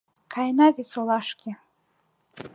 Каена вес олашке...